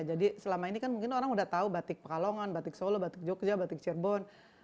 selama ini kan mungkin orang udah tahu batik pekalongan batik solo batik jogja batik cirebon